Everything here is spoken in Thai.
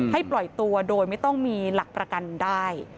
ปล่อยตัวโดยไม่ต้องมีหลักประกันได้